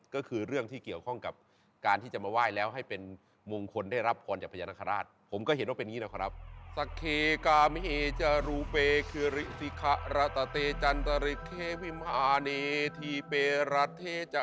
ก็คือเรื่องที่เกี่ยวข้องกับการที่จะมาไหว้แล้วให้เป็นมงคลได้รับร้อนจากพญานาคาราช